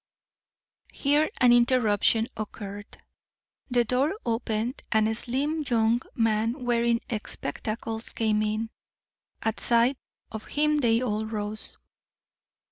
Here an interruption occurred. The door opened and a slim young man, wearing spectacles, came in. At sight of him they all rose.